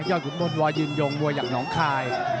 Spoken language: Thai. ยอดขุดมนต์ว่ายืนยงมัวอยากหนองคาย